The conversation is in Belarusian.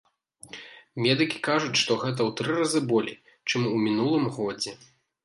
Медыкі кажуць, што гэта ў тры разы болей, чым у мінулым годзе.